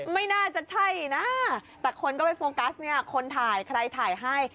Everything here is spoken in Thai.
ไม่น่าจะใช่นะแต่คนก็ไปโฟกัสเนี่ยคนถ่ายใครถ่ายให้